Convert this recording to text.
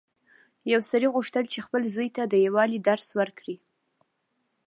یو سړي غوښتل چې خپل زوی ته د یووالي درس ورکړي.